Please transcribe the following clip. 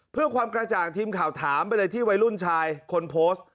เพื่อความกระจ่างทีมข่าวถามไปเลยที่วัยรุ่นชายคนโพสต์